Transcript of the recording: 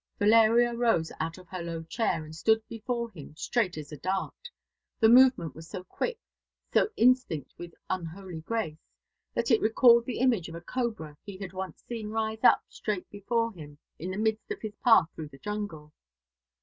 Valeria rose out of her low chair, and stood before him straight as a dart. The movement was so quick, so instinct with an unholy grace, that it recalled the image of a cobra he had once seen rise up straight before him in the midst of his path through the jungle.